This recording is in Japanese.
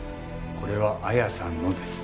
これは彩矢さんのです。